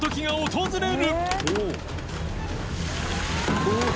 すごい！